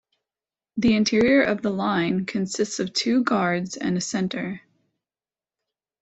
The interior of the line consists of two guards and a center.